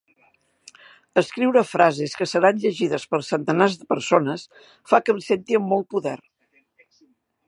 Escriure frases que seran llegides per centenars de persones fa que em senti amb molt poder!